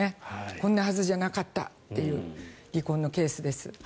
こんなはずじゃなかったという離婚のケースです。